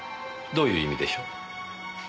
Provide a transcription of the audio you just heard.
どういう意味でしょう？